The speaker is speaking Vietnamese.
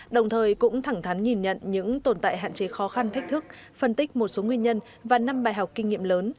đồng thời cũng thẳng thắn nhìn nhận những tồn tại hạn chế khó khăn thách thức phân tích một số nguyên nhân và năm bài học kinh nghiệm lớn